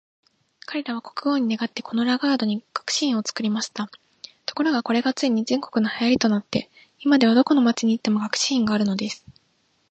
彼等は国王に願って、このラガードに学士院を作りました。ところが、これがついに全国の流行となって、今では、どこの町に行っても学士院があるのです。